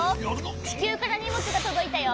ちきゅうからにもつがとどいたよ。